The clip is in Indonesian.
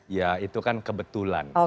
ya itu kan kebetulan